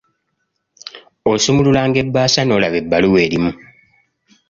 Osumululanga ebbasa n'olaba ebbaluwa erimu.